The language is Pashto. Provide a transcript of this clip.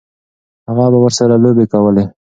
هغه به ورسره لوبې کولې.